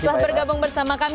setelah bergabung bersama kami